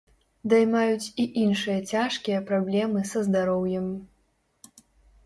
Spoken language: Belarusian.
Даймаюць і іншыя цяжкія праблемы са здароўем.